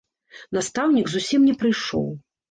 Настаўнік зусім не прыйшоў.